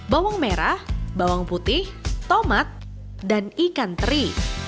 bawang merah bawang putih tomat dan ikan teri